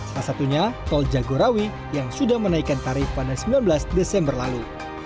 salah satunya tol jagorawi yang sudah menaikkan tarif pada sembilan belas desember lalu